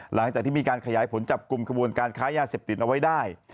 หลังจากที่มีการขยายผลจับกลุ่มขบวนการค้ายาเสพติดเอาไว้ได้